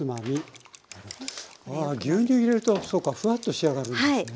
ああ牛乳入れるとそうかフワッと仕上がるんですね。